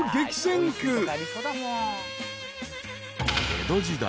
［江戸時代